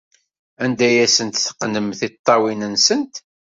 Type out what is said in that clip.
Anda ay asent-teqqnem tiṭṭawin-nsent?